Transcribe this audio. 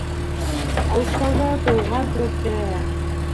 Алыҫтарҙа тыуған төбәктә.